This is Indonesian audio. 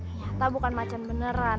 nyata bukan macem beneran